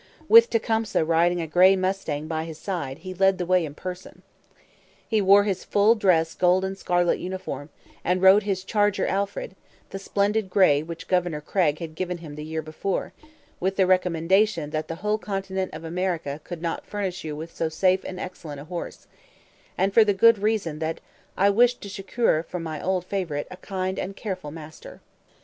With Tecumseh riding a grey mustang by his side, he led the way in person. He wore his full dress gold and scarlet uniform and rode his charger Alfred, the splendid grey which Governor Craig had given him the year before, with the recommendation that 'the whole continent of America could not furnish you with so safe and excellent a horse,' and for the good reason that 'I wish to secure for my old favourite a kind and careful master.'